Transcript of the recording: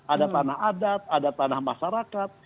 ada tanah adat ada tanah masyarakat